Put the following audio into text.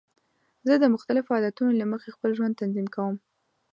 زه د مختلفو عادتونو له مخې خپل ژوند تنظیم کوم.